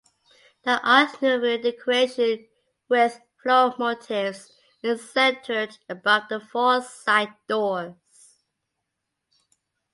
The Art Nouveau decoration with floral motifs is centred above the four side doors.